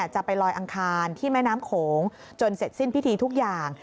จะไปลอยอังคารที่แม่น้ำโขงจนเสร็จสิ้นพิธีทุกอย่าง